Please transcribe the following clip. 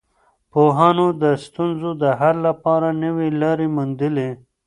پوهانو د ستونزو د حل لپاره نوي لاري وموندلې.